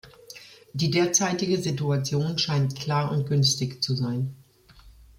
Die derzeitige Situation scheint klar und günstig zu sein.